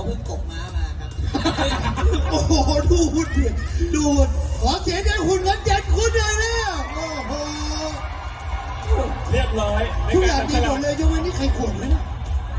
ทุกอย่างดีกว่าเลยเจ้าเว้ยนี่ไข่ขุ่นมั้ยเนี่ย